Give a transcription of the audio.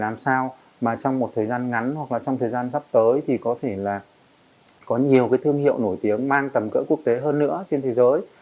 mà trong một thời gian ngắn hoặc trong thời gian sắp tới thì có thể là có nhiều thương hiệu nổi tiếng mang tầm cỡ quốc tế hơn nữa trên thế giới